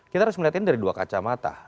kita harus melihat ini dari dua kacamata